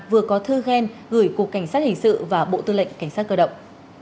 vừa có thư khen gửi cục cảnh sát hình sự và bộ tư lệnh cảnh sát cơ động